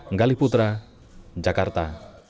nggali putra jakarta